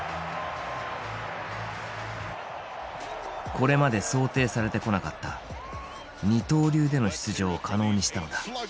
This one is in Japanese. これまで想定されてこなかった二刀流での出場を可能にしたのだ。